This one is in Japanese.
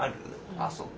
ああそう。